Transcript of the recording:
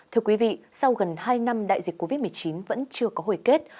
thưa quý vị sau gần hai năm đại dịch covid một mươi chín vẫn chưa có hồi kết